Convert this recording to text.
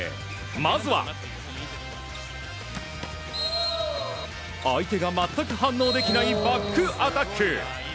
まずは、相手が全く反応できないバックアタック。